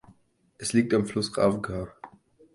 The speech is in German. Es liegt am Fluss Rawka.